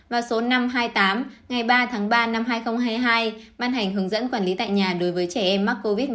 và số năm trăm hai mươi tám ngày ba tháng ba năm hai nghìn hai mươi hai ban hành hướng dẫn quản lý tại nhà đối với trẻ em mắc covid một mươi chín